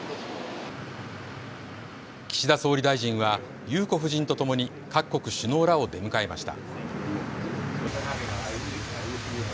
岸田総理大臣は裕子夫人とともに各国首脳らを出迎えました。